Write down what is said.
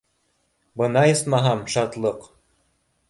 Бына, исмаһам, шатлыҡ.